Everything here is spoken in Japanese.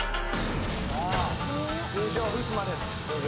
通常ふすまです